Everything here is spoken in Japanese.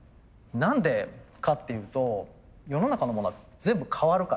何でかっていうと世の中のものは全部変わるから。